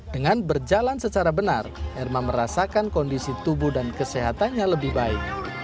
dengan berjalan secara benar erma merasakan kondisi tubuh dan kesehatannya lebih baik